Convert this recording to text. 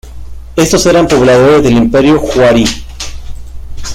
Estos eran pobladores del imperio Huari.